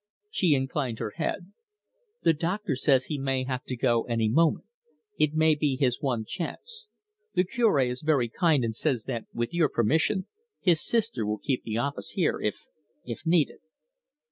She inclined her head. "The doctor says he may have to go any moment. It may be his one chance. The Cure is very kind, and says that, with your permission, his sister will keep the office here, if if needed."